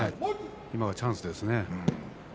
今がチャンスですからね。